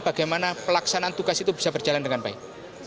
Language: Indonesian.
bagaimana pelaksanaan tugas itu bisa berjalan dengan baik